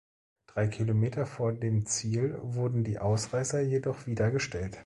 Drei Kilometer vor dem Ziel wurden die Ausreißer jedoch wieder gestellt.